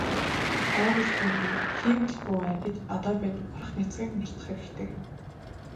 АЙвал бүү хий, хийвэл бүү ай гэж одоо бид ухрах няцахыг мартах хэрэгтэй.